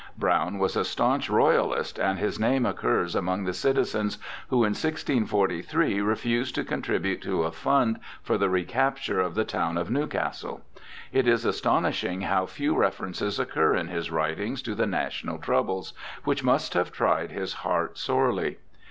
Browne was a staunch Royalist, and his name occurs among the citizens who in 1643 refused to contribute to a fund for the recapture of the town of Newcastle. It is astonishing how few references occur in his writings to the national troubles, which must have tried his heart sorely.